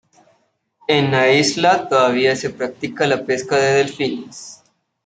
En la isla todavía se practica la pesca de delfines.